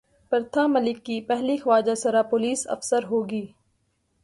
پرتھا ملک کی پہلی خواجہ سرا پولیس افسر ہو گی